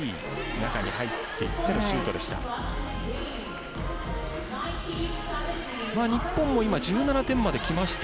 中に入っていってのシュートでした。